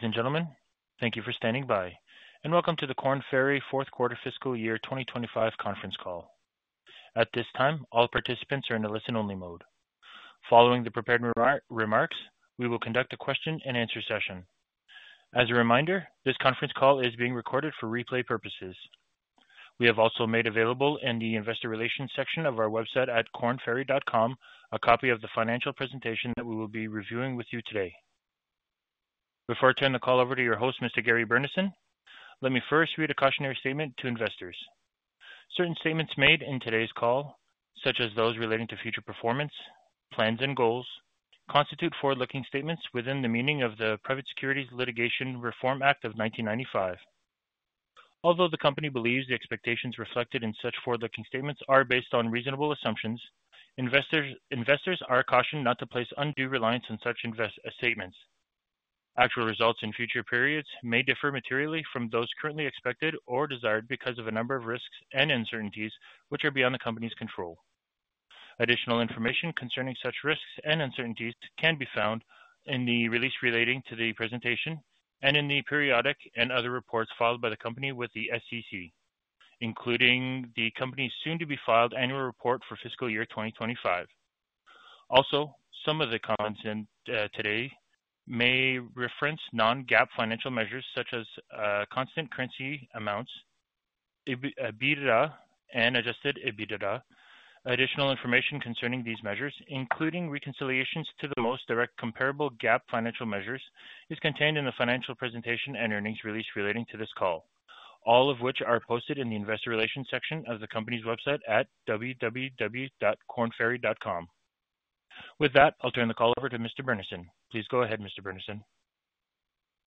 Ladies and gentlemen, thank you for standing by, and welcome to the Korn Ferry Fourth Quarter Fiscal Year 2025 conference call. At this time, all participants are in a listen-only mode. Following the prepared remarks, we will conduct a question-and-answer session. As a reminder, this conference call is being recorded for replay purposes. We have also made available in the investor relations section of our website at kornferry.com a copy of the financial presentation that we will be reviewing with you today. Before I turn the call over to your host, Mr. Gary Burnison, let me first read a cautionary statement to investors. Certain statements made in today's call, such as those relating to future performance, plans, and goals, constitute forward-looking statements within the meaning of the Private Securities Litigation Reform Act of 1995. Although the company believes the expectations reflected in such forward-looking statements are based on reasonable assumptions, investors are cautioned not to place undue reliance on such statements. Actual results in future periods may differ materially from those currently expected or desired because of a number of risks and uncertainties which are beyond the company's control. Additional information concerning such risks and uncertainties can be found in the release relating to the presentation and in the periodic and other reports filed by the company with the SEC, including the company's soon-to-be-filed annual report for fiscal year 2025. Also, some of the comments today may reference non-GAAP financial measures such as constant currency amounts, EBITDA, and adjusted EBITDA. Additional information concerning these measures, including reconciliations to the most direct comparable GAAP financial measures, is contained in the financial presentation and earnings release relating to this call, all of which are posted in the investor relations section of the company's website at www.kornferry.com. With that, I'll turn the call over to Mr. Burnison. Please go ahead, Mr. Burnison.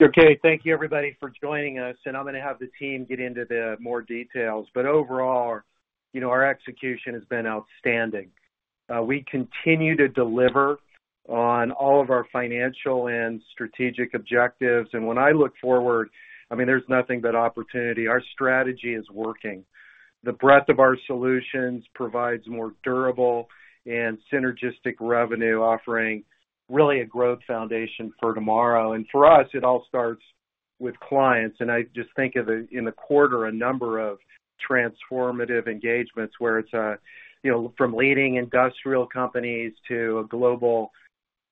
Okay. Thank you, everybody, for joining us. I'm going to have the team get into more details. Overall, our execution has been outstanding. We continue to deliver on all of our financial and strategic objectives. When I look forward, I mean, there's nothing but opportunity. Our strategy is working. The breadth of our solutions provides more durable and synergistic revenue, offering really a growth foundation for tomorrow. For us, it all starts with clients. I just think of, in the quarter, a number of transformative engagements where it's from leading industrial companies to a global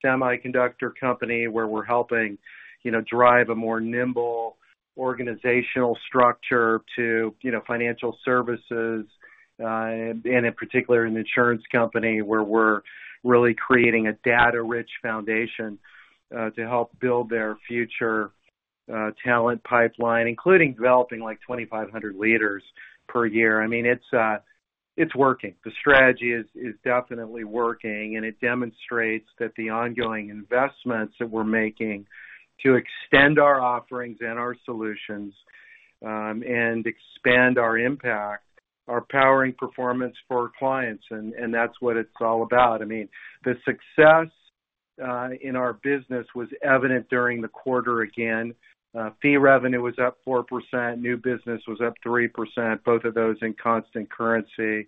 semiconductor company where we're helping drive a more nimble organizational structure to financial services, and in particular, an insurance company where we're really creating a data-rich foundation to help build their future talent pipeline, including developing like 2,500 leaders per year. I mean, it's working. The strategy is definitely working. It demonstrates that the ongoing investments that we're making to extend our offerings and our solutions and expand our impact are powering performance for clients. That's what it's all about. I mean, the success in our business was evident during the quarter again. Fee revenue was up 4%. New business was up 3%, both of those in constant currency.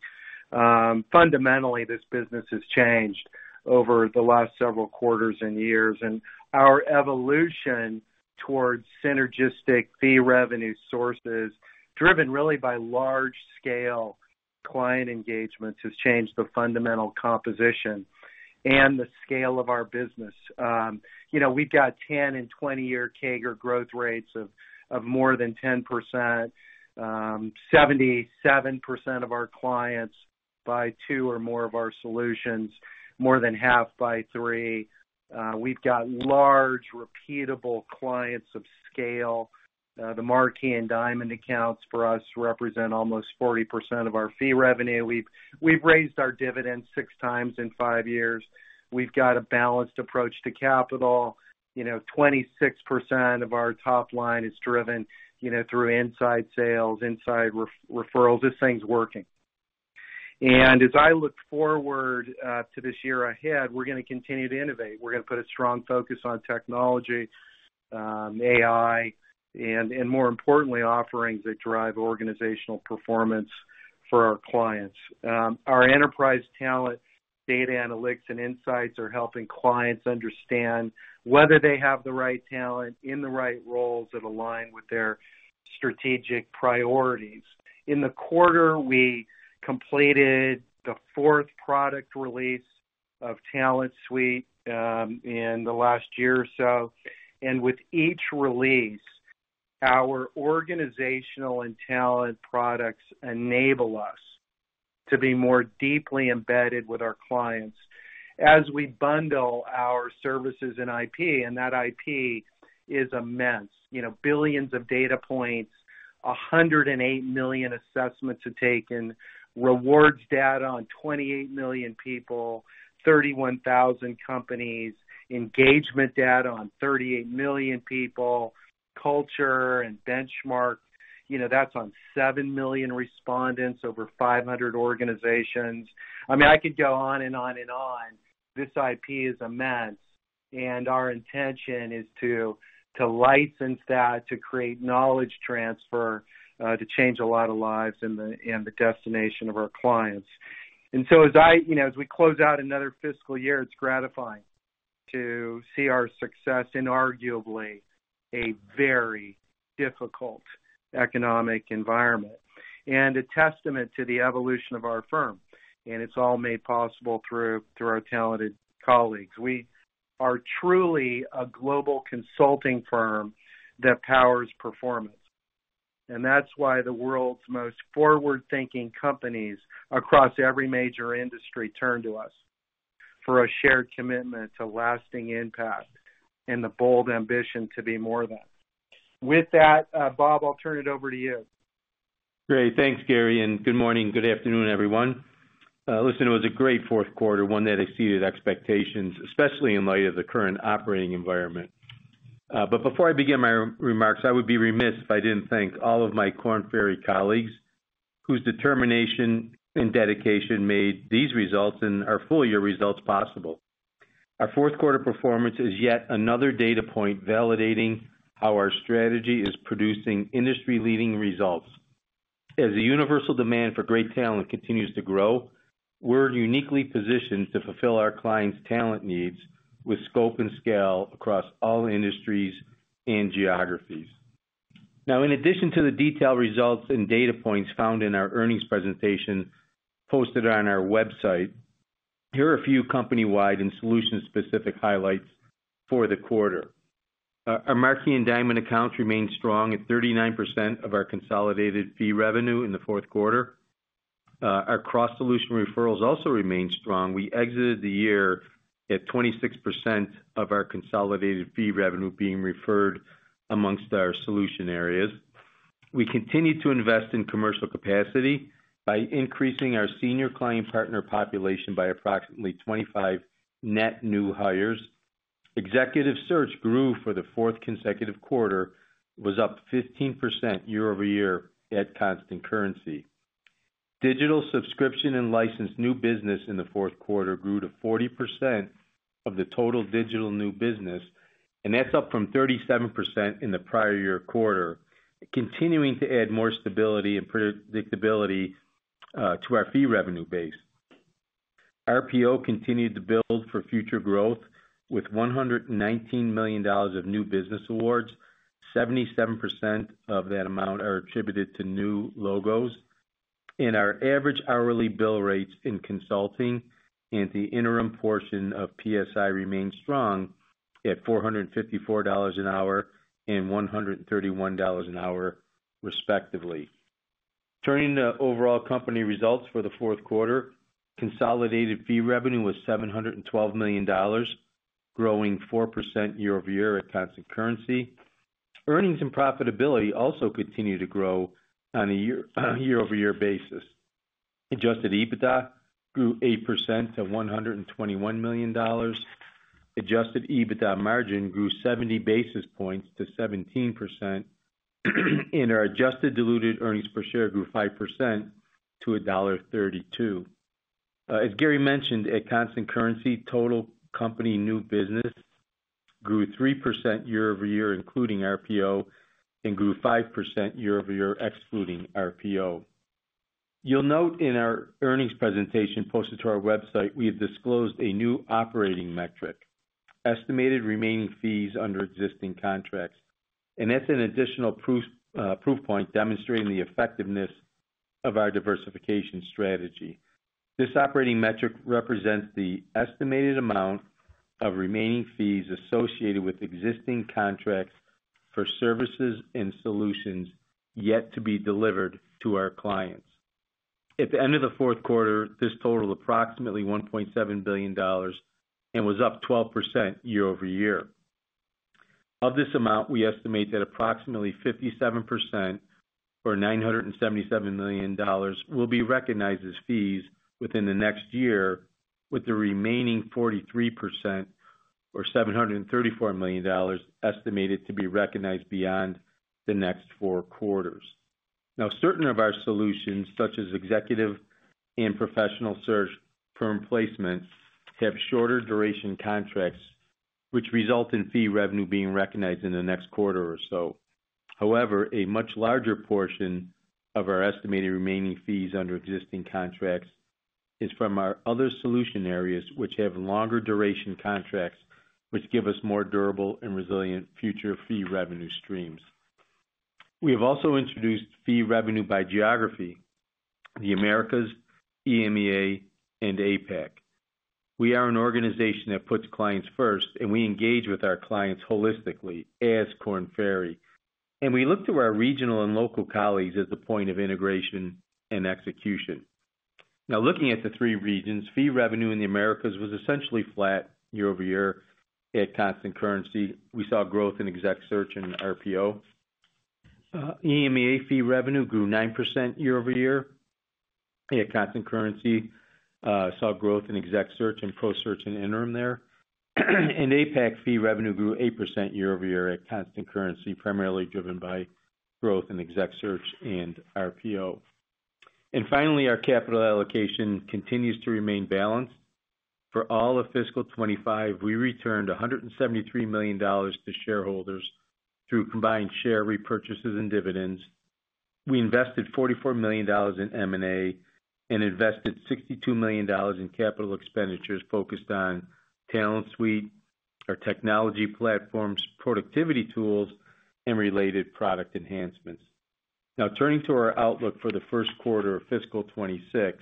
Fundamentally, this business has changed over the last several quarters and years. Our evolution towards synergistic fee revenue sources, driven really by large-scale client engagements, has changed the fundamental composition and the scale of our business. We've got 10 and 20-year CAGR growth rates of more than 10%. 77% of our clients buy two or more of our solutions, more than 1/2 buy three. We've got large, repeatable clients of scale. The Marquee and Diamond accounts for us represent almost 40% of our fee revenue. We've raised our dividends six times in five years. We've got a balanced approach to capital. 26% of our top line is driven through inside sales, inside referrals. This thing's working. As I look forward to this year ahead, we're going to continue to innovate. We're going to put a strong focus on technology, AI, and more importantly, offerings that drive organizational performance for our clients. Our enterprise talent, data analytics, and insights are helping clients understand whether they have the right talent in the right roles that align with their strategic priorities. In the quarter, we completed the fourth product release of Talent Suite in the last year or so. With each release, our organizational and talent products enable us to be more deeply embedded with our clients as we bundle our services and IP. That IP is immense. Billions of data points, 108 million assessments to take in, rewards data on 28 million people, 31,000 companies, engagement data on 38 million people, culture and benchmark. That is on 7 million respondents over 500 organizations. I mean, I could go on and on and on. This IP is immense. Our intention is to license that to create knowledge transfer, to change a lot of lives and the destination of our clients. As we close out another fiscal year, it is gratifying to see our success in arguably a very difficult economic environment and a testament to the evolution of our firm. It is all made possible through our talented colleagues. We are truly a global consulting firm that powers performance. That is why the world's most forward-thinking companies across every major industry turn to us for a shared commitment to lasting impact and the bold ambition to be more than. With that, Bob, I'll turn it over to you. Great. Thanks, Gary. Good morning and good afternoon, everyone. Listen, it was a great fourth quarter, one that exceeded expectations, especially in light of the current operating environment. Before I begin my remarks, I would be remiss if I did not thank all of my Korn Ferry colleagues whose determination and dedication made these results and our full-year results possible. Our fourth quarter performance is yet another data point validating how our strategy is producing industry-leading results. As the universal demand for great talent continues to grow, we are uniquely positioned to fulfill our clients' talent needs with scope and scale across all industries and geographies. In addition to the detailed results and data points found in our earnings presentation posted on our website, here are a few company-wide and solution-specific highlights for the quarter. Our Marquee and Diamond accounts remained strong at 39% of our consolidated fee revenue in the fourth quarter. Our cross-solution referrals also remained strong. We exited the year at 26% of our consolidated fee revenue being referred amongst our solution areas. We continued to invest in commercial capacity by increasing our Senior Client Partner population by approximately 25 net new hires. Executive Search grew for the fourth consecutive quarter, was up 15% year-over-year at constant currency. Digital subscription and licensed new business in the fourth quarter grew to 40% of the total digital new business. That is up from 37% in the prior year quarter, continuing to add more stability and predictability to our fee revenue base. RPO continued to build for future growth with $119 million of new business awards. 77% of that amount are attributed to new logos. Our average hourly bill rates in consulting and the interim portion of PSI remained strong at $454 an hour and $131 an hour, respectively. Turning to overall company results for the fourth quarter, consolidated fee revenue was $712 million, growing 4% year over year at constant currency. Earnings and profitability also continued to grow on a year-over-year basis. Adjusted EBITDA grew 8% to $121 million. Adjusted EBITDA margin grew 70 basis points to 17%. Our adjusted diluted earnings per share grew 5% to $1.32. As Gary mentioned, at constant currency, total company new business grew 3% year-over-year, including RPO, and grew 5% year over year, excluding RPO. You will note in our earnings presentation posted to our website, we have disclosed a new operating metric, estimated remaining fees under existing contracts. That is an additional proof point demonstrating the effectiveness of our diversification strategy. This operating metric represents the estimated amount of remaining fees associated with existing contracts for services and solutions yet to be delivered to our clients. At the end of the fourth quarter, this totaled approximately $1.7 billion and was up 12% year over year. Of this amount, we estimate that approximately 57% or $977 million will be recognized as fees within the next year, with the remaining 43% or $734 million estimated to be recognized beyond the next four quarters. Now, certain of our solutions, such as Executive and Professional Search firm placements, have shorter duration contracts, which result in fee revenue being recognized in the next quarter or so. However, a much larger portion of our estimated remaining fees under existing contracts is from our other solution areas, which have longer duration contracts, which give us more durable and resilient future fee revenue streams. We have also introduced fee revenue by geography: the Americas, EMEA, and APAC. We are an organization that puts clients first, and we engage with our clients holistically as Korn Ferry. We look to our regional and local colleagues as the point of integration and execution. Now, looking at the three regions, fee revenue in the Americas was essentially flat year over year at constant currency. We saw growth in exec search and RPO. EMEA fee revenue grew 9% year over year at constant currency. Saw growth in exec search and pro-search and interim there. APAC fee revenue grew 8% year over year at constant currency, primarily driven by growth in exec search and RPO. Finally, our capital allocation continues to remain balanced. For all of fiscal 2025, we returned $173 million to shareholders through combined share repurchases and dividends. We invested $44 million in M&A and invested $62 million in capital expenditures focused on Talent Suite, our technology platforms, productivity tools, and related product enhancements. Now, turning to our outlook for the first quarter of fiscal 2026,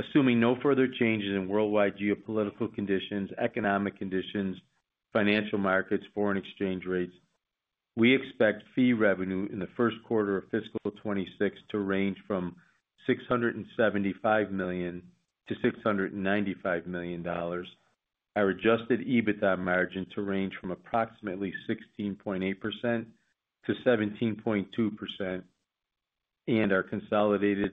assuming no further changes in worldwide geopolitical conditions, economic conditions, financial markets, or foreign exchange rates, we expect fee revenue in the first quarter of fiscal 2026 to range from $675 million-$695 million. Our adjusted EBITDA margin to range from approximately 16.8%-17.2%. Our consolidated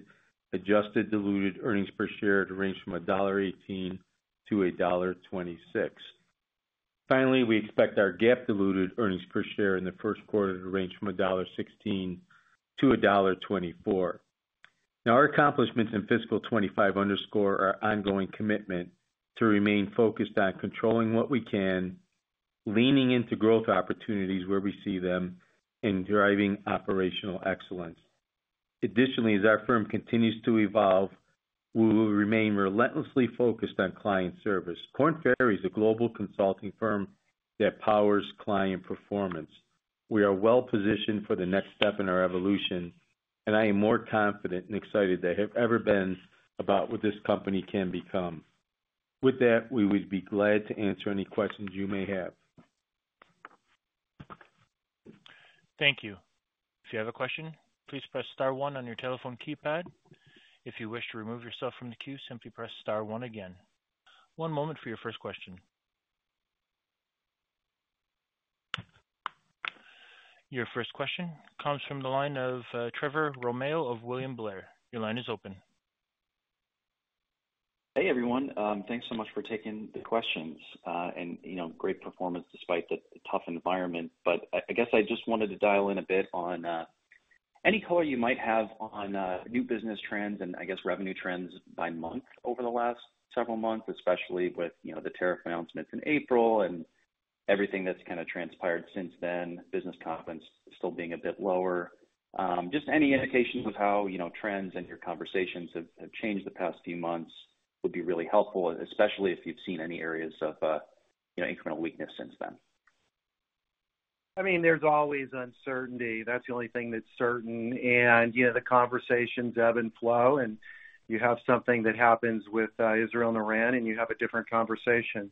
adjusted diluted earnings per share to range from $1.18-$1.26. Finally, we expect our GAAP diluted earnings per share in the first quarter to range from $1.16-$1.24. Now, our accomplishments in fiscal 2025 underscore our ongoing commitment to remain focused on controlling what we can, leaning into growth opportunities where we see them, and driving operational excellence. Additionally, as our firm continues to evolve, we will remain relentlessly focused on client service. Korn Ferry is a global consulting firm that powers client performance. We are well positioned for the next step in our evolution, and I am more confident and excited than I have ever been about what this company can become. With that, we would be glad to answer any questions you may have. Thank you. If you have a question, please press *1 on your telephone keypad. If you wish to remove yourself from the queue, simply press *1 again. One moment for your first question. Your first question comes from the line of Trevor Romeo of William Blair. Your line is open. Hey, everyone. Thanks so much for taking the questions. Great performance despite the tough environment. I guess I just wanted to dial in a bit on any color you might have on new business trends and, I guess, revenue trends by month over the last several months, especially with the tariff announcements in April and everything that's kind of transpired since then, business confidence still being a bit lower. Just any indication of how trends and your conversations have changed the past few months would be really helpful, especially if you've seen any areas of incremental weakness since then. I mean, there's always uncertainty. That's the only thing that's certain. The conversations ebb and flow, and you have something that happens with Israel and Iran, and you have a different conversation.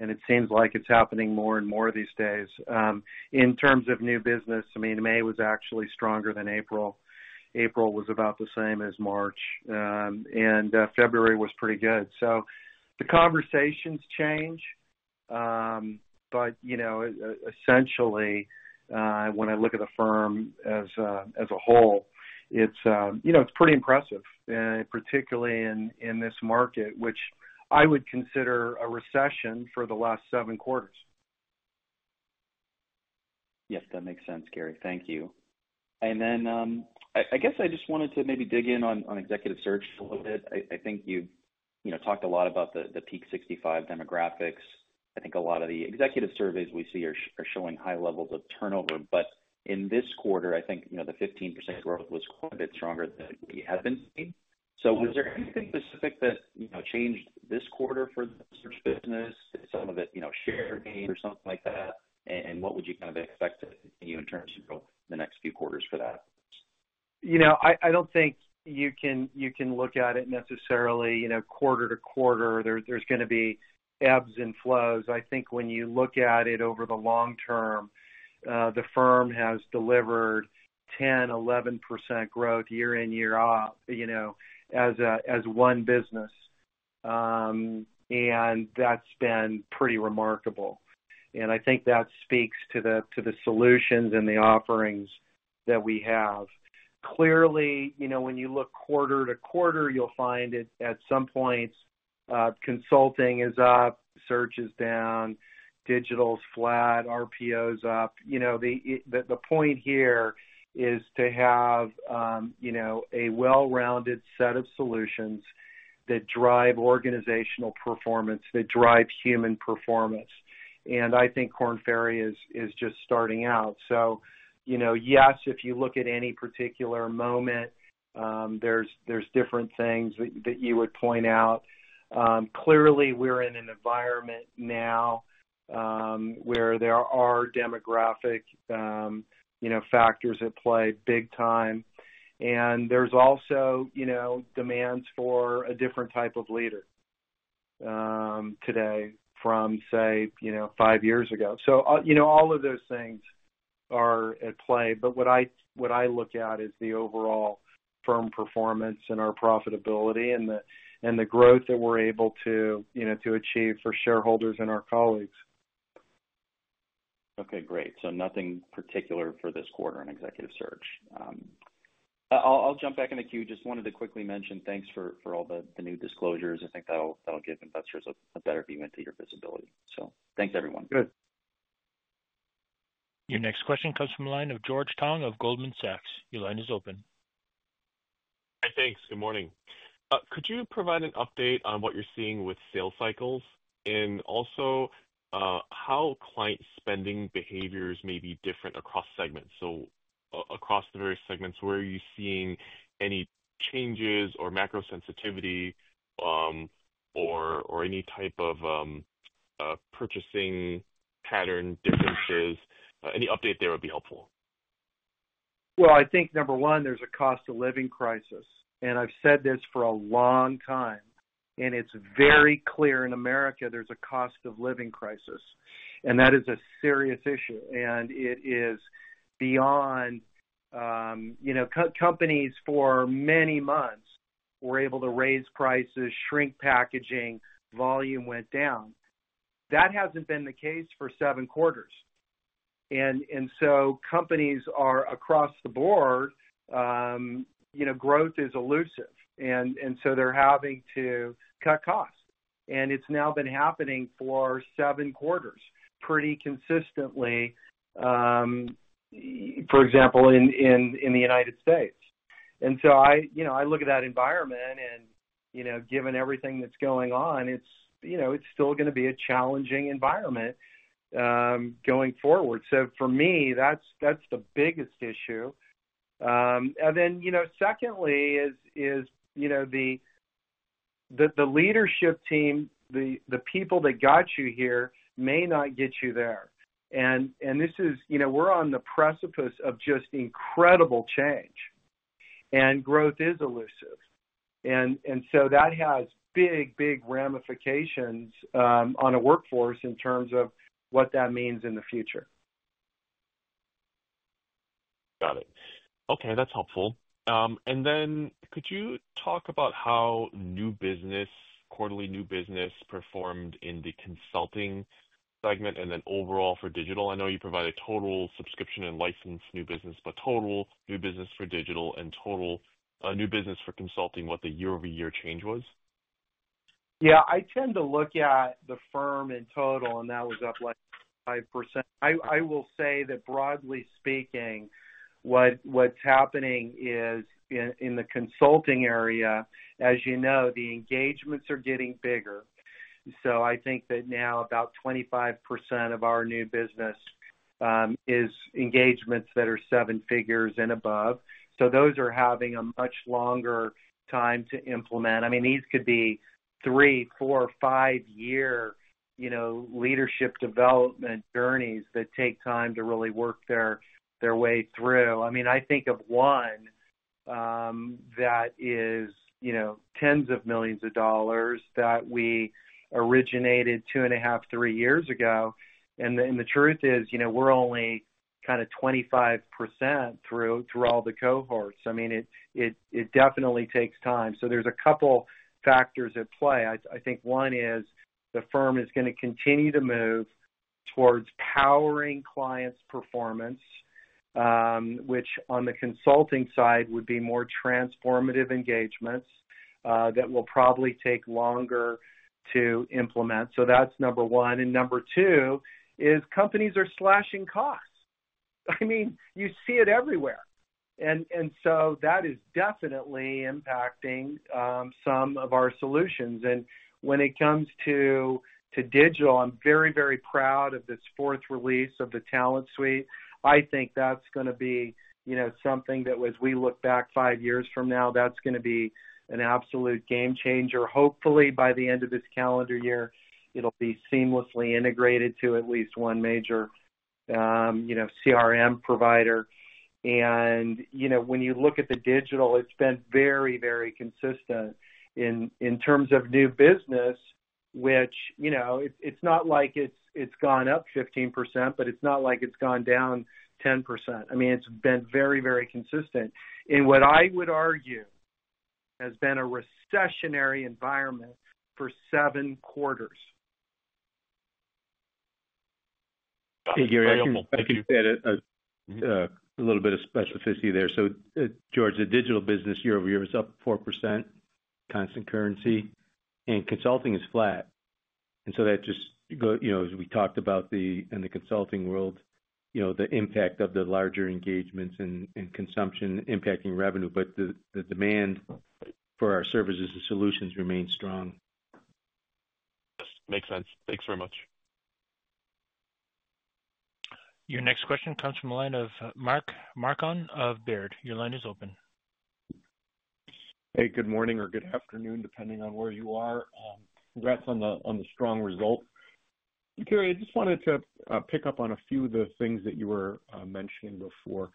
It seems like it's happening more and more these days. In terms of new business, I mean, May was actually stronger than April. April was about the same as March. February was pretty good. The conversations change. Essentially, when I look at the firm as a whole, it's pretty impressive, particularly in this market, which I would consider a recession for the last seven quarters. Yes, that makes sense, Gary. Thank you. I guess I just wanted to maybe dig in on Executive Search a little bit. I think you talked a lot about the peak 65 demographics. I think a lot of the executive surveys we see are showing high levels of turnover. In this quarter, I think the 15% growth was quite a bit stronger than we had been seeing. Was there anything specific that changed this quarter for the search business? Some of it share gain or something like that? What would you kind of expect in terms of the next few quarters for that? I do not think you can look at it necessarily quarter-to-quarter. There is going to be ebbs and flows. I think when you look at it over the long term, the firm has delivered 10-11% growth year in, year out as one business. That has been pretty remarkable. I think that speaks to the solutions and the offerings that we have. Clearly, when you look quarter-to-quarter, you will find at some points, consulting is up, search is down, digital is flat, RPO is up. The point here is to have a well-rounded set of solutions that drive organizational performance, that drive human performance. I think Korn Ferry is just starting out. Yes, if you look at any particular moment, there are different things that you would point out. Clearly, we are in an environment now where there are demographic factors at play big time. There is also demands for a different type of leader today from, say, five years ago. All of those things are at play. What I look at is the overall firm performance and our profitability and the growth that we are able to achieve for shareholders and our colleagues. Okay, great. Nothing particular for this quarter on Executive Search. I'll jump back in the queue. Just wanted to quickly mention thanks for all the new disclosures. I think that'll give investors a better view into your visibility. Thanks, everyone. Good. Your next question comes from the line of George Tong of Goldman Sachs. Your line is open. Hi, thanks. Good morning. Could you provide an update on what you're seeing with sales cycles? Also, how client spending behaviors may be different across segments. Across the various segments, where are you seeing any changes or macro sensitivity or any type of purchasing pattern differences? Any update there would be helpful. I think number one, there's a cost of living crisis. I've said this for a long time, and it's very clear in America, there's a cost of living crisis. That is a serious issue. It is beyond companies for many months were able to raise prices, shrink packaging, volume went down. That hasn't been the case for seven quarters. Companies are across the board, growth is elusive. They're having to cut costs. It's now been happening for seven quarters pretty consistently, for example, in the United States. I look at that environment, and given everything that's going on, it's still going to be a challenging environment going forward. For me, that's the biggest issue. Secondly is the leadership team, the people that got you here may not get you there. We're on the precipice of just incredible change. Growth is elusive. That has big, big ramifications on a workforce in terms of what that means in the future. Got it. Okay, that's helpful. Could you talk about how new business, quarterly new business performed in the Consulting segment and then overall for Digital? I know you provide a total subscription and license new business, but total new business for Digital and total new business for Consulting, what the year-over-year change was? Yeah, I tend to look at the firm in total, and that was up like 5%. I will say that broadly speaking, what's happening is in the consulting area, as you know, the engagements are getting bigger. I think that now about 25% of our new business is engagements that are seven figures and above. Those are having a much longer time to implement. I mean, these could be three, four, five-year leadership development journeys that take time to really work their way through. I mean, I think of one that is tens of millions of dollars that we originated two and a 1/2, three years ago. The truth is we're only kind of 25% through all the cohorts. It definitely takes time. There are a couple of factors at play. I think one is the firm is going to continue to move towards powering clients' performance, which on the consulting side would be more transformative engagements that will probably take longer to implement. That is number one. Number two is companies are slashing costs. I mean, you see it everywhere. That is definitely impacting some of our solutions. When it comes to digital, I'm very, very proud of this fourth release of the Talent Suite. I think that's going to be something that, as we look back five years from now, that's going to be an absolute game changer. Hopefully, by the end of this calendar year, it'll be seamlessly integrated to at least one major CRM provider. When you look at the digital, it's been very, very consistent in terms of new business, which it's not like it's gone up 15%, but it's not like it's gone down 10%. I mean, it's been very, very consistent. What I would argue has been a recessionary environment for seven quarters. Hey, Gary, I think you said a little bit of specificity there. So, George, the Digital business year-over-year is up 4%, constant currency, and Consulting is flat. That just, as we talked about in the Consulting world, the impact of the larger engagements and consumption impacting revenue, but the demand for our services and solutions remains strong. Yes, makes sense. Thanks very much. Your next question comes from the line of Mark Marcon of Baird. Your line is open. Hey, good morning or good afternoon, depending on where you are. Congrats on the strong result. Gary, I just wanted to pick up on a few of the things that you were mentioning before.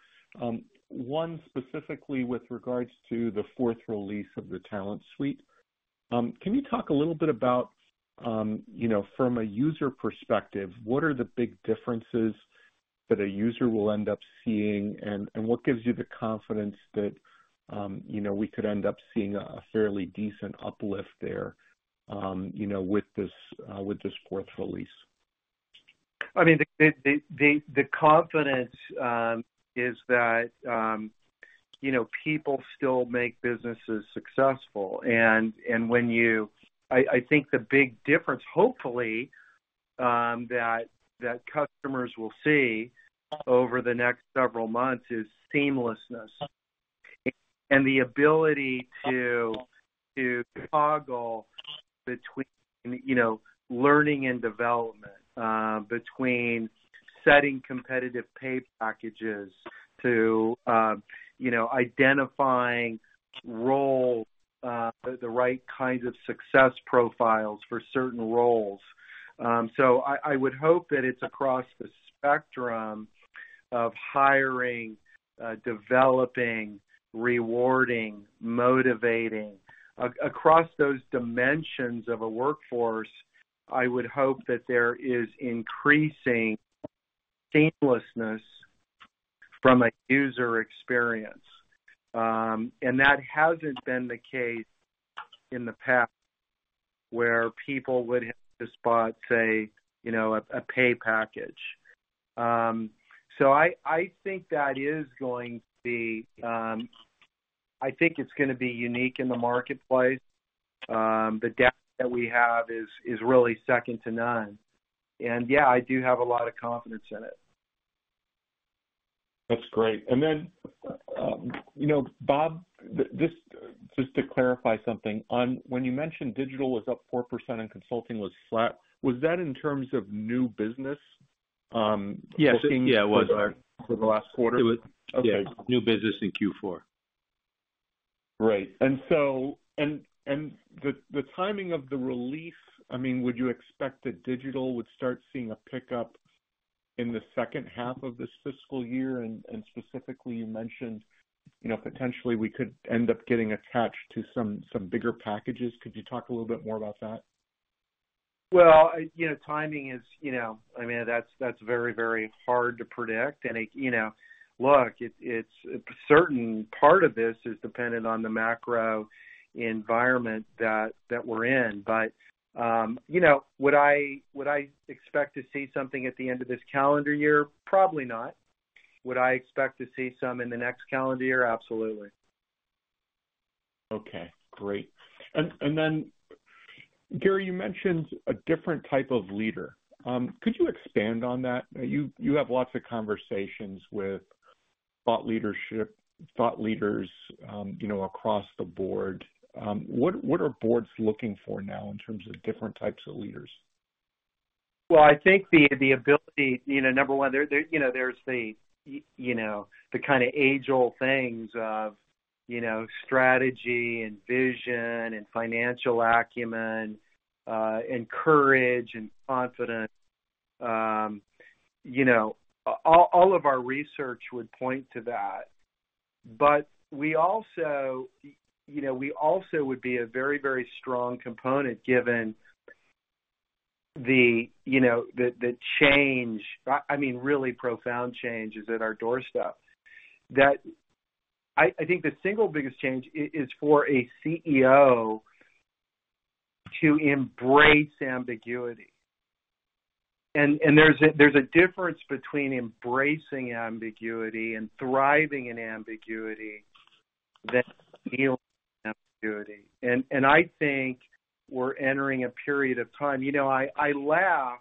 One specifically with regards to the fourth release of the Talent Suite. Can you talk a little bit about, from a user perspective, what are the big differences that a user will end up seeing, and what gives you the confidence that we could end up seeing a fairly decent uplift there with this fourth release? I mean, the confidence is that people still make businesses successful. I think the big difference, hopefully, that customers will see over the next several months is seamlessness and the ability to toggle between learning and development, between setting competitive pay packages to identifying roles, the right kinds of success profiles for certain roles. I would hope that it is across the spectrum of hiring, developing, rewarding, motivating. Across those dimensions of a workforce, I would hope that there is increasing seamlessness from a user experience. That has not been the case in the past where people would have to spot, say, a pay package. I think that is going to be, I think it is going to be unique in the marketplace. The data that we have is really second to none. Yeah, I do have a lot of confidence in it. That's great. Bob, just to clarify something. When you mentioned Digital was up 4% and Consulting was flat, was that in terms of new business looking for the last quarter? Yes, yeah, it was. Okay. New business in Q4. Right. And the timing of the release, I mean, would you expect that Digital would start seeing a pickup in the second half of this fiscal year? Specifically, you mentioned potentially we could end up getting attached to some bigger packages. Could you talk a little bit more about that? Timing is, I mean, that's very, very hard to predict. Look, certain part of this is dependent on the macro environment that we're in. Would I expect to see something at the end of this calendar year? Probably not. Would I expect to see some in the next calendar year? Absolutely. Okay, great. Gary, you mentioned a different type of leader. Could you expand on that? You have lots of conversations with thought leadership, thought leaders across the board. What are boards looking for now in terms of different types of leaders? I think the ability, number one, there's the kind of age-old things of strategy and vision and financial acumen and courage and confidence. All of our research would point to that. I mean, we also would be a very, very strong component given the change, I mean, really profound changes at our doorstep. I think the single biggest change is for a CEO to embrace ambiguity. There's a difference between embracing ambiguity and thriving in ambiguity than feeling ambiguity. I think we're entering a period of time. I laugh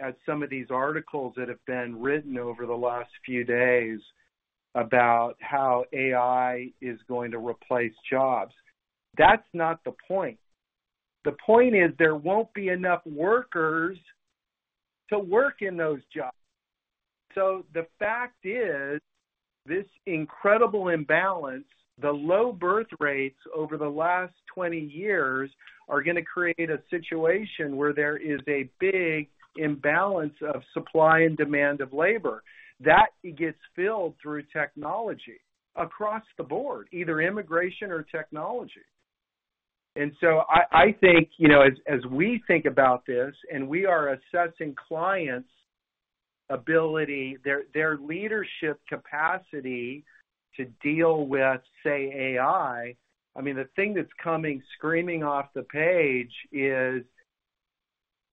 at some of these articles that have been written over the last few days about how AI is going to replace jobs. That's not the point. The point is there won't be enough workers to work in those jobs. The fact is this incredible imbalance, the low birth rates over the last 20 years are going to create a situation where there is a big imbalance of supply and demand of labor. That gets filled through technology across the board, either immigration or technology. I think as we think about this and we are assessing clients' ability, their leadership capacity to deal with, say, AI, I mean, the thing that's coming screaming off the page is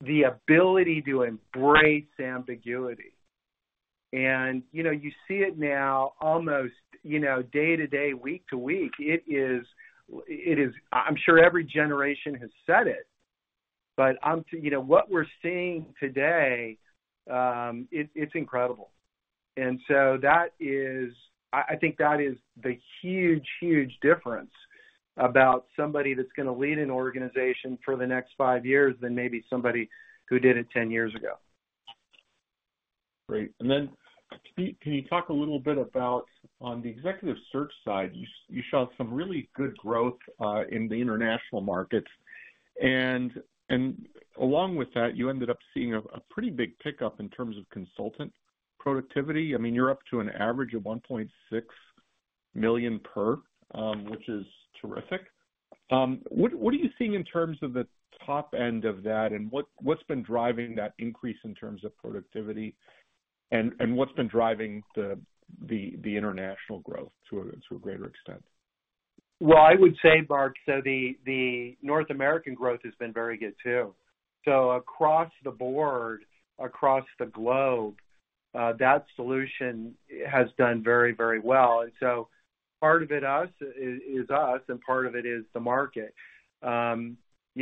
the ability to embrace ambiguity. You see it now almost day to day, week to week. I'm sure every generation has said it. What we're seeing today, it's incredible. I think that is the huge, huge difference about somebody that's going to lead an organization for the next five years than maybe somebody who did it 10 years ago. Great. Can you talk a little bit about on the Executive Search side, you saw some really good growth in the international markets. Along with that, you ended up seeing a pretty big pickup in terms of consultant productivity. I mean, you're up to an average of $1.6 million per, which is terrific. What are you seeing in terms of the top end of that? What's been driving that increase in terms of productivity? What's been driving the international growth to a greater extent? I would say, Mark, the North American growth has been very good too. Across the board, across the globe, that solution has done very, very well. Part of it is us, and part of it is the market.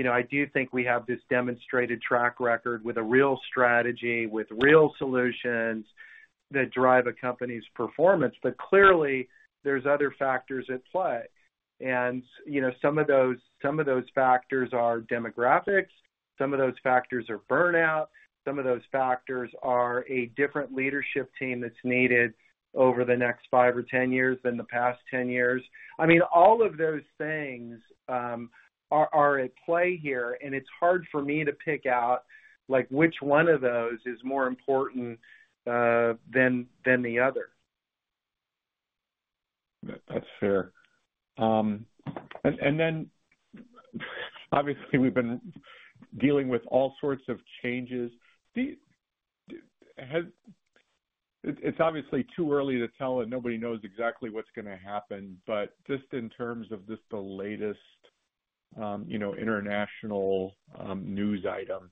I do think we have this demonstrated track record with a real strategy, with real solutions that drive a company's performance. Clearly, there are other factors at play. Some of those factors are demographics. Some of those factors are burnout. Some of those factors are a different leadership team that's needed over the next 5 or 10 years than the past 10 years. I mean, all of those things are at play here. It's hard for me to pick out which one of those is more important than the other. That's fair. Obviously, we've been dealing with all sorts of changes. It's obviously too early to tell, and nobody knows exactly what's going to happen. Just in terms of the latest international news item,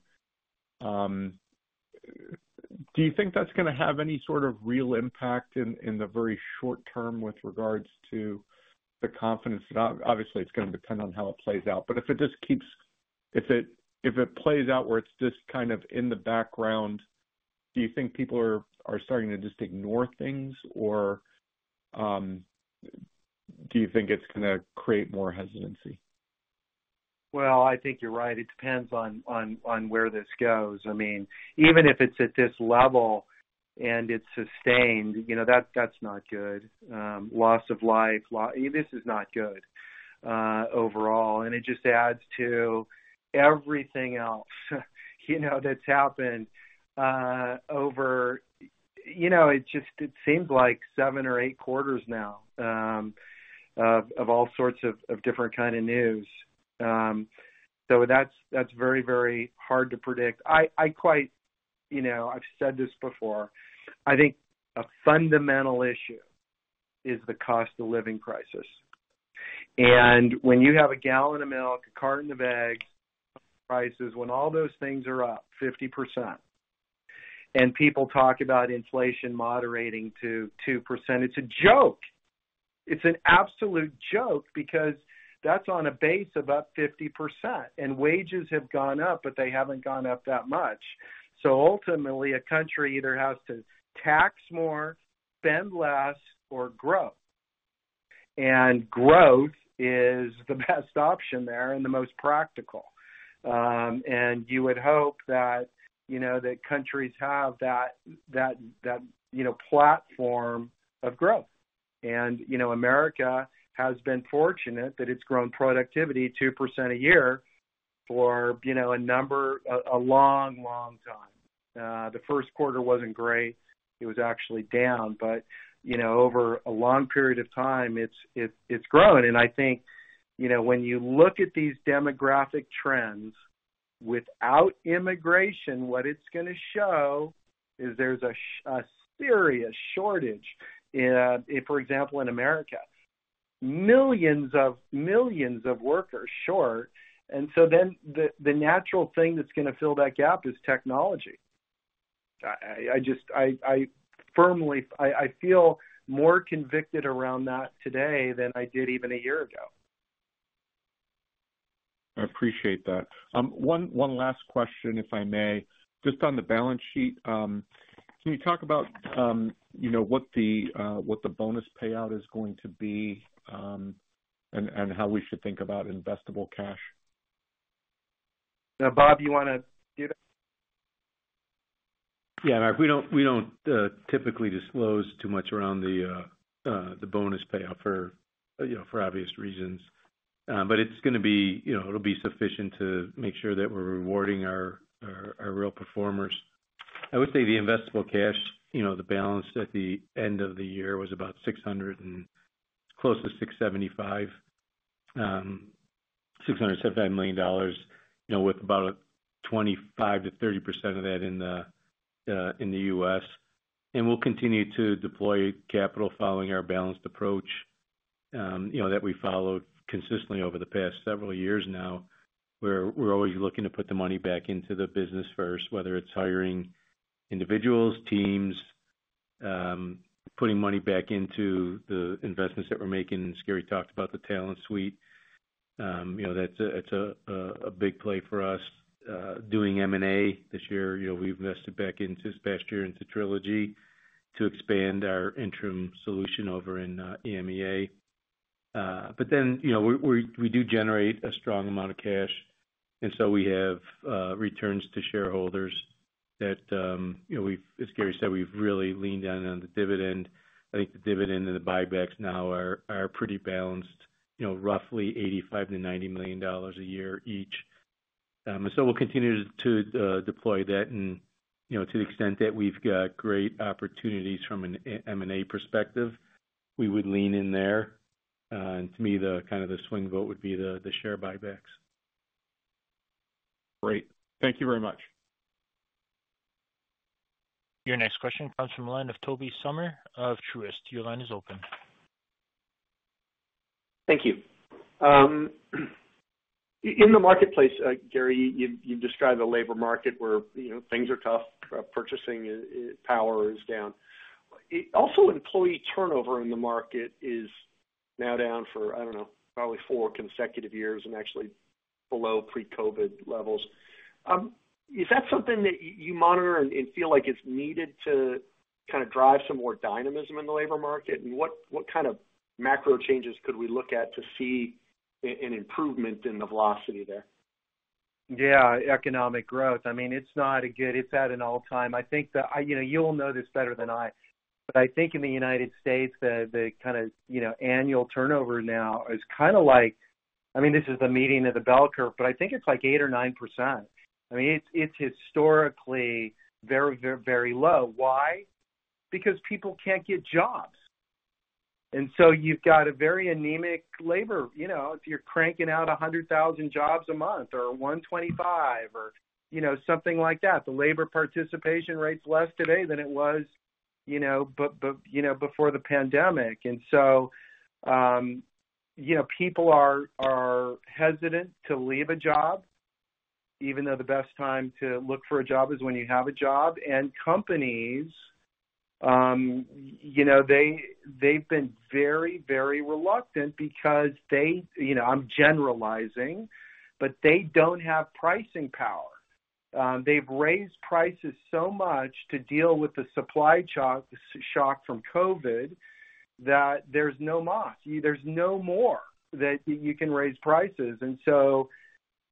do you think that's going to have any sort of real impact in the very short term with regards to the confidence? Obviously, it's going to depend on how it plays out. If it plays out where it's just kind of in the background, do you think people are starting to just ignore things, or do you think it's going to create more hesitancy? I think you're right. It depends on where this goes. I mean, even if it's at this level and it's sustained, that's not good. Loss of life, this is not good overall. It just adds to everything else that's happened over what seems like seven or eight quarters now of all sorts of different kinds of news. That is very, very hard to predict. I've said this before. I think a fundamental issue is the cost of living crisis. When you have a gallon of milk, a carton of eggs, prices, when all those things are up 50%, and people talk about inflation moderating to 2%, it's a joke. It's an absolute joke because that's on a base of up 50%. Wages have gone up, but they haven't gone up that much. Ultimately, a country either has to tax more, spend less, or grow. Growth is the best option there and the most practical. You would hope that countries have that platform of growth. America has been fortunate that it has grown productivity 2% a year for a long, long time. The first quarter was not great. It was actually down. Over a long period of time, it has grown. I think when you look at these demographic trends without immigration, what it is going to show is there is a serious shortage. For example, in America, millions of workers short. The natural thing that is going to fill that gap is technology. I feel more convicted around that today than I did even a year ago. I appreciate that. One last question, if I may. Just on the balance sheet, can you talk about what the bonus payout is going to be and how we should think about investable cash? Bob, you want to do that? Yeah. We do not typically disclose too much around the bonus payout for obvious reasons. It is going to be, it will be sufficient to make sure that we are rewarding our real performers. I would say the investable cash, the balance at the end of the year was about $675 million, with about 25%-30% of that in the U.S. We will continue to deploy capital following our balanced approach that we have followed consistently over the past several years now. We are always looking to put the money back into the business first, whether it is hiring individuals, teams, putting money back into the investments that we are making. Gary talked about the Talent Suite. That is a big play for us. Doing M&A this year, we have invested back this past year into Trilogy to expand our interim solution over in EMEA. We do generate a strong amount of cash. We have returns to shareholders that, as Gary said, we have really leaned in on the dividend. I think the dividend and the buybacks now are pretty balanced, roughly $85 million-$90 million a year each. We will continue to deploy that. To the extent that we have great opportunities from an M&A perspective, we would lean in there. To me, kind of the swing vote would be the share buybacks. Great. Thank you very much. Your next question comes from the line of Tobey Sommer of Truist. Your line is open. Thank you. In the marketplace, Gary, you've described a labor market where things are tough. Purchasing power is down. Also, employee turnover in the market is now down for, I don't know, probably four consecutive years and actually below pre-COVID levels. Is that something that you monitor and feel like it's needed to kind of drive some more dynamism in the labor market? What kind of macro changes could we look at to see an improvement in the velocity there? Yeah, economic growth. I mean, it's not a good—it's at an all-time. I think that you'll know this better than I, but I think in the United States, the kind of annual turnover now is kind of like—I mean, this is the meeting of the bell curve, but I think it's like 8% or 9%. I mean, it's historically very, very low. Why? Because people can't get jobs. And so you've got a very anemic labor. If you're cranking out 100,000 jobs a month or 125,000 or something like that, the labor participation rate's less today than it was before the pandemic. And so people are hesitant to leave a job, even though the best time to look for a job is when you have a job. And companies, they've been very, very reluctant because they—I'm generalizing—but they don't have pricing power. They've raised prices so much to deal with the supply shock from COVID that there's no more. There's no more that you can raise prices.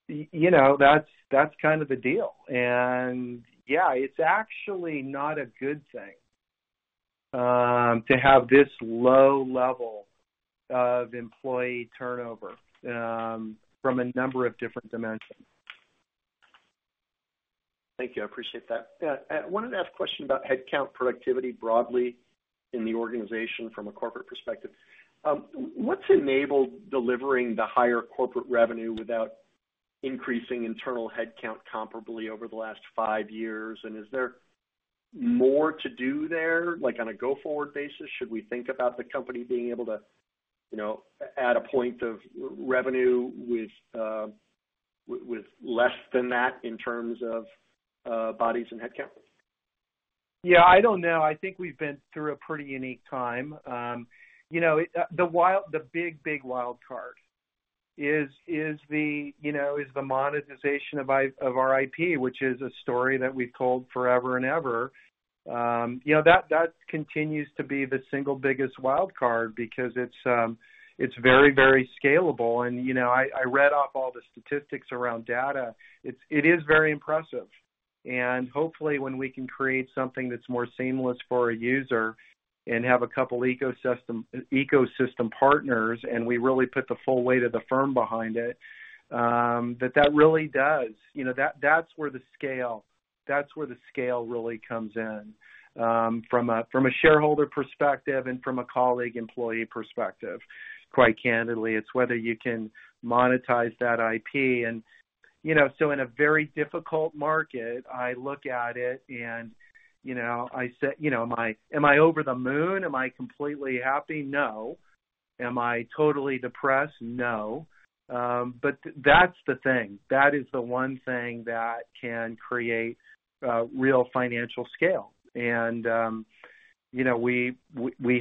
That's kind of the deal. Yeah, it's actually not a good thing to have this low level of employee turnover from a number of different dimensions. Thank you. I appreciate that. I wanted to ask a question about headcount productivity broadly in the organization from a corporate perspective. What's enabled delivering the higher corporate revenue without increasing internal headcount comparably over the last five years? Is there more to do there? On a go-forward basis, should we think about the company being able to add a point of revenue with less than that in terms of bodies and headcount? Yeah, I don't know. I think we've been through a pretty unique time. The big, big wild card is the monetization of our IP, which is a story that we've told forever and ever. That continues to be the single biggest wild card because it's very, very scalable. I read off all the statistics around data. It is very impressive. Hopefully, when we can create something that's more seamless for a user and have a couple of ecosystem partners, and we really put the full weight of the firm behind it, that really does. That's where the scale—that's where the scale really comes in from a shareholder perspective and from a colleague employee perspective. Quite candidly, it's whether you can monetize that IP. In a very difficult market, I look at it and I say, "Am I over the moon? Am I completely happy? No. Am I totally depressed? No. That is the one thing that can create real financial scale. We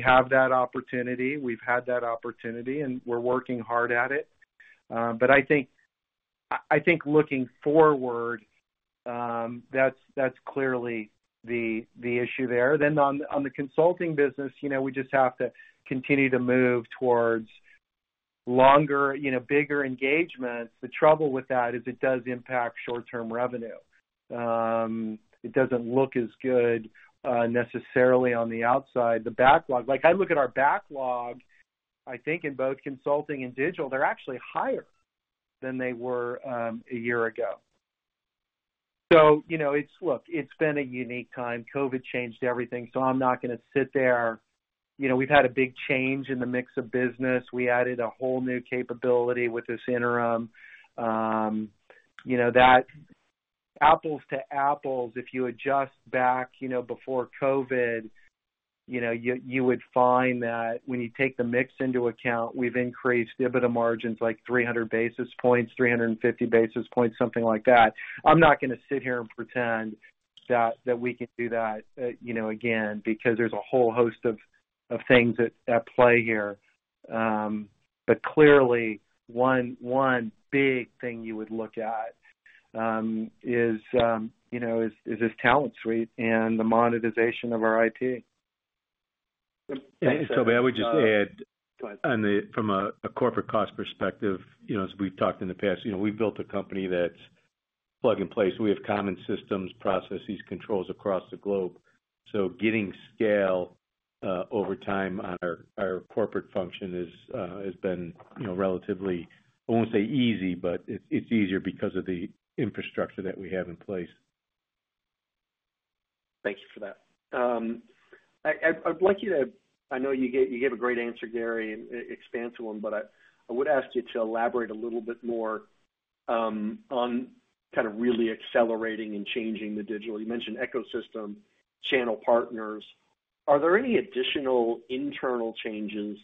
have that opportunity. We have had that opportunity, and we are working hard at it. I think looking forward, that is clearly the issue there. On the consulting business, we just have to continue to move towards longer, bigger engagements. The trouble with that is it does impact short-term revenue. It does not look as good necessarily on the outside. The backlog—I look at our backlog, I think in both consulting and digital, they are actually higher than they were a year ago. Look, it has been a unique time. COVID changed everything. I am not going to sit there. We have had a big change in the mix of business. We added a whole new capability with this interim. That apples to apples, if you adjust back before COVID, you would find that when you take the mix into account, we've increased EBITDA margins like 300 basis points, 350 basis points, something like that. I'm not going to sit here and pretend that we can do that again because there's a whole host of things at play here. Clearly, one big thing you would look at is this Talent Suite and the monetization of our IP. Tobey, I would just add from a corporate cost perspective, as we've talked in the past, we've built a company that's plug and place. We have common systems, processes, controls across the globe. Getting scale over time on our corporate function has been relatively—I won't say easy, but it's easier because of the infrastructure that we have in place. Thank you for that. I'd like you to—I know you gave a great answer, Gary, and expansive one, but I would ask you to elaborate a little bit more on kind of really accelerating and changing the digital. You mentioned ecosystem, channel partners. Are there any additional internal changes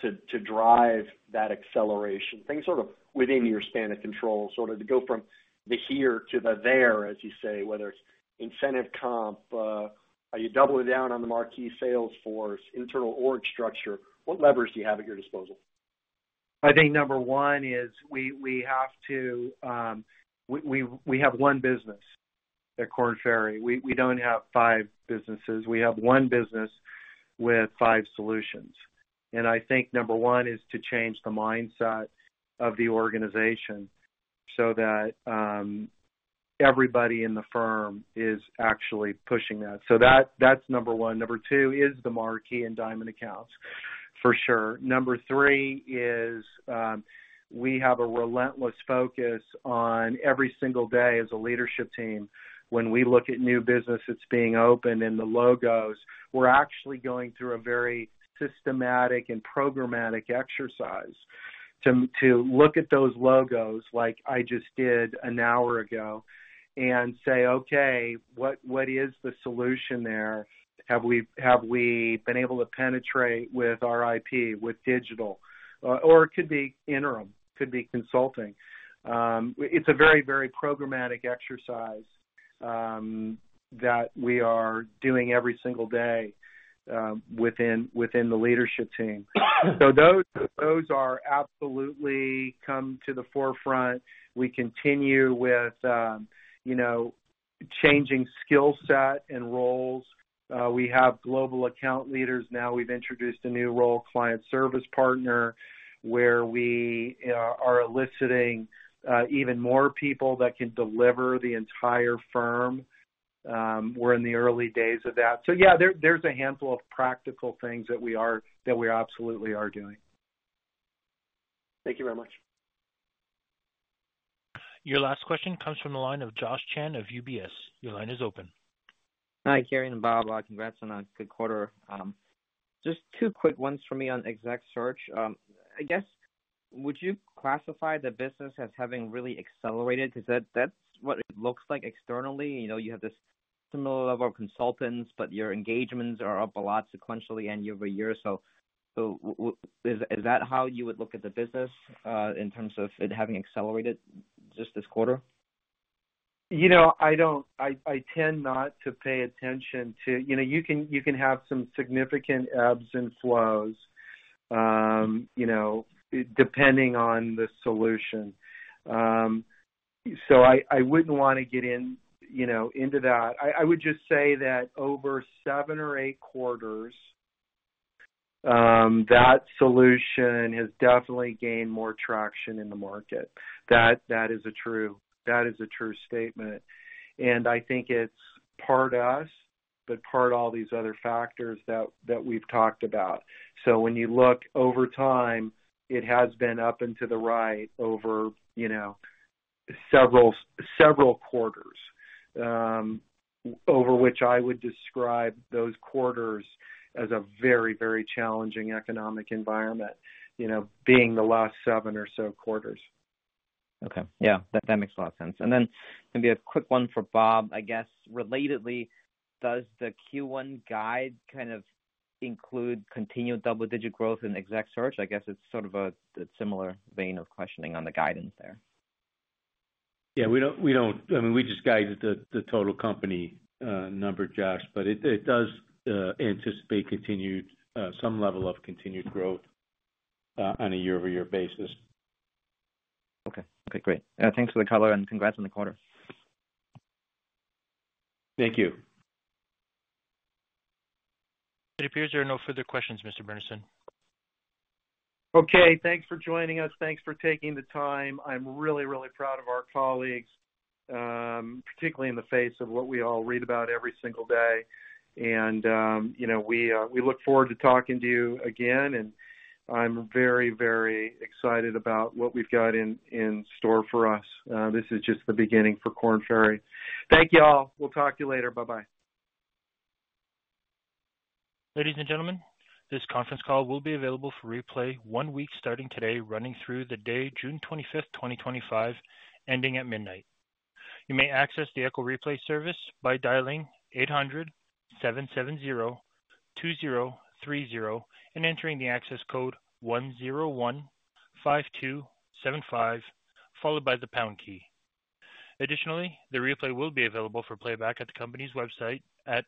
to drive that acceleration? Things sort of within your span of control sort of to go from the here to the there, as you say, whether it's incentive comp, are you doubling down on the Marquee sales force, internal org structure? What levers do you have at your disposal? I think number one is we have to—we have one business at Korn Ferry. We do not have five businesses. We have one business with five solutions. I think number one is to change the mindset of the organization so that everybody in the firm is actually pushing that. That is number one. Number two is the Marquee and Diamond accounts, for sure. Number three is we have a relentless focus on every single day as a leadership team. When we look at new business that is being opened and the logos, we are actually going through a very systematic and programmatic exercise to look at those logos like I just did an hour ago and say, "Okay, what is the solution there? Have we been able to penetrate with our IP, with digital?" Or it could be interim, could be consulting. It's a very, very programmatic exercise that we are doing every single day within the leadership team. Those are absolutely come to the forefront. We continue with changing skill set and roles. We have global account leaders. Now we've introduced a new role, client service partner, where we are eliciting even more people that can deliver the entire firm. We're in the early days of that. Yeah, there's a handful of practical things that we absolutely are doing. Thank you very much. Your last question comes from the line of Josh Chan of UBS. Your line is open. Hi, Gary and Bob. Congrats on a good quarter. Just two quick ones for me on Executive Search. I guess, would you classify the business as having really accelerated? Because that's what it looks like externally. You have this similar level of consultants, but your engagements are up a lot sequentially and year-over-year. Is that how you would look at the business in terms of it having accelerated just this quarter? I tend not to pay attention to—you can have some significant ebbs and flows depending on the solution. I would not want to get into that. I would just say that over seven or eight quarters, that solution has definitely gained more traction in the market. That is a true—that is a true statement. I think it is part us, but part all these other factors that we have talked about. When you look over time, it has been up and to the right over several quarters, over which I would describe those quarters as a very, very challenging economic environment, being the last seven or so quarters. Okay. Yeah. That makes a lot of sense. Maybe a quick one for Bob, I guess. Relatedly, does the Q1 guide kind of include continued double-digit growth in Exec search? I guess it's sort of a similar vein of questioning on the guidance there. Yeah. We do not—I mean, we just guided the total company number, Josh, but it does anticipate continued—some level of continued growth on a year-over-year basis. Okay. Okay. Great. Thanks for the cover and congrats on the quarter. Thank you. It appears there are no further questions, Mr. Burnison. Okay. Thanks for joining us. Thanks for taking the time. I'm really, really proud of our colleagues, particularly in the face of what we all read about every single day. We look forward to talking to you again. I'm very, very excited about what we've got in store for us. This is just the beginning for Korn Ferry. Thank you all. We'll talk to you later. Bye-bye. Ladies and gentlemen, this conference call will be available for replay one week starting today, running through the day June 25, 2025, ending at midnight. You may access the Echo Replay service by dialing 800-770-2030 and entering the access code 1015275, followed by the pound key. Additionally, the replay will be available for playback at the company's website at.